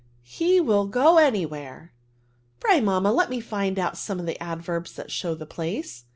He will go any where!^ Pray, mamma, let me try to find out some of the adverbs that show the place.